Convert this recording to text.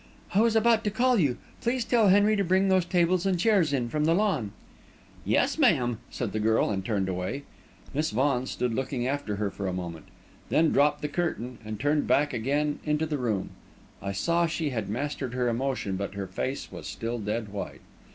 "I was about to call you. Please tell Henry to bring those tables and chairs in from the lawn." "Yes, ma'am," said the girl, and turned away. Miss Vaughan stood looking after her for a moment, then dropped the curtain and turned back again into the room. I saw that she had mastered her emotion, but her face was still dead white.